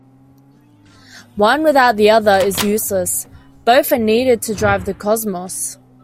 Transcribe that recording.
One without the other is useless, both are needed to drive the cosmos.